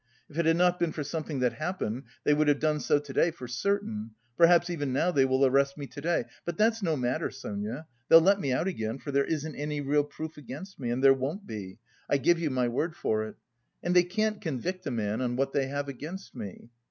If it had not been for something that happened, they would have done so to day for certain; perhaps even now they will arrest me to day.... But that's no matter, Sonia; they'll let me out again... for there isn't any real proof against me, and there won't be, I give you my word for it. And they can't convict a man on what they have against me.